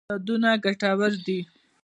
یادونه ګټور دي.